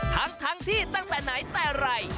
ทั้งที่ตั้งแต่ไหนแต่ไร